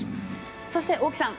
そして大木さん